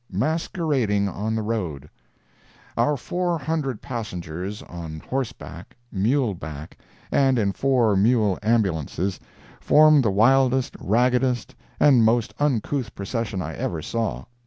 MASQUERADING ON THE ROAD Our four hundred passengers on horseback, muleback, and in four mule ambulances, formed the wildest, raggedest and most uncouth procession I ever saw.